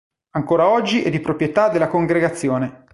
Ancora oggi è di proprietà della Congregazione.